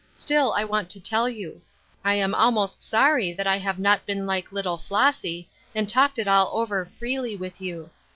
Still, I want to tell you. I am almost sorry that I have not been like Kttle Flossy, and talked it all over freely with you.